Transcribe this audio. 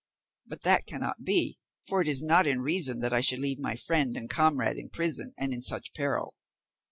But that cannot be, for it is not in reason that I should leave my friend and comrade in prison and in such peril.